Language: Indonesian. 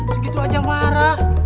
segitu aja marah